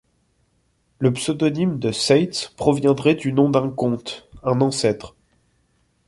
Le pseudonyme de Seitz proviendrait du nom d'un comte, un ancêtre.